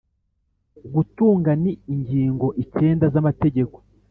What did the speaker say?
gutunga ni ingingo icyenda z'amategeko